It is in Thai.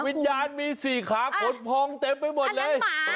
วิญญาณมี๔ขาขนพองเต็มไปหมดเลย